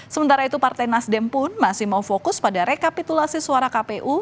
sementara itu partai nasdem pun masih mau fokus pada rekapitulasi suara kpu